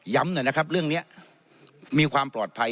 หน่อยนะครับเรื่องนี้มีความปลอดภัย